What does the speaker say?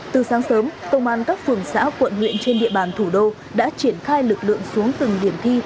từ sáng sớm công an các phường xã quận huyện trên địa bàn thủ đô đã triển khai lực lượng xuống từng điểm thi